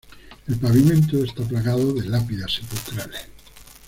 El pavimento está plagado de lápidas sepulcrales.